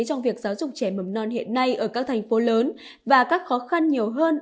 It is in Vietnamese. trong việc giáo dục trẻ mầm non hiện nay ở các thành phố lớn và các khó khăn nhiều hơn